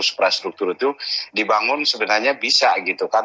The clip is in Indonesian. infrastruktur itu dibangun sebenarnya bisa gitu kan